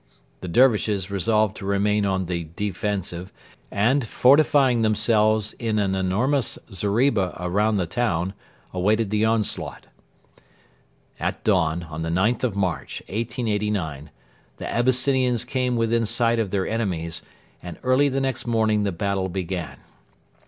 The Dervishes resolved to remain on the defensive, and, fortifying themselves in an enormous zeriba around the town, awaited the onslaught. At dawn on the 9th of March, 1889, the Abyssinians came within sight of their enemies, and early the next morning the battle began.